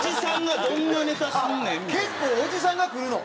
結構おじさんが来るの？